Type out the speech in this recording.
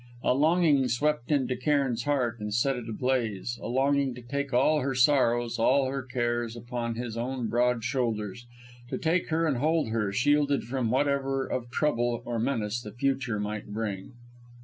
A longing swept into Cairn's heart and set it ablaze; a longing to take all her sorrows, all her cares, upon his own broad shoulders, to take her and hold her, shielded from whatever of trouble or menace the future might bring.